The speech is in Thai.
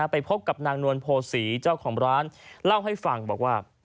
ไปพบกับนางนวลโพศีเจ้าของร้านเล่าให้ฟังบอกว่า